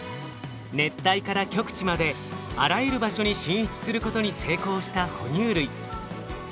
熱帯から極地まであらゆる場所に進出することに成功した哺乳類。